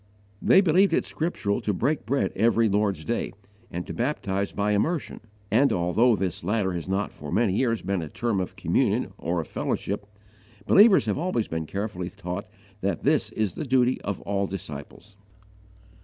They believed it scriptural to break bread every Lord's day, and to baptize by immersion; and, although this latter has not for many years been a term of communion or of fellowship, believers have always been carefully taught that this is the duty of all disciples.